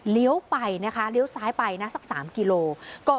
เลี้ยวไปนะคะเลี้ยวซ้ายไปนะสัก๓กิโลกรัม